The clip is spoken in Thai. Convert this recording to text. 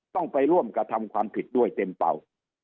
ต้องไปร่วมกระทำความผิดด้วยเต็มเป่า